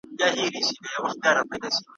ته به لېري په پټي کي خپل واښه کړې `